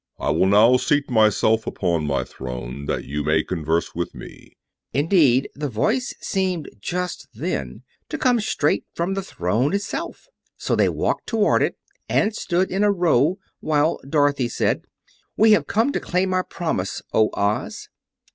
I will now seat myself upon my throne, that you may converse with me." Indeed, the Voice seemed just then to come straight from the throne itself; so they walked toward it and stood in a row while Dorothy said: "We have come to claim our promise, O Oz."